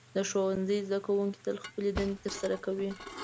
د ښوونځي زده کوونکي تل خپلې دندې ترسره کوي.